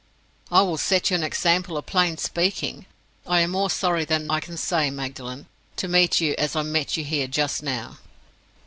"I will set you an example of plain speaking. I am more sorry than I can say, Magdalen, to meet you as I met you here just now!"